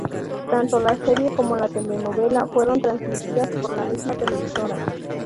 Tanto la serie como la telenovela fueron transmitidas por la misma televisora.